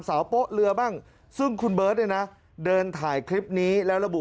โป๊ะเรือบ้างซึ่งคุณเบิร์ตเนี่ยนะเดินถ่ายคลิปนี้แล้วระบุ